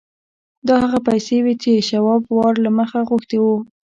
دا هغه پیسې وې چې شواب وار له مخه غوښتي وو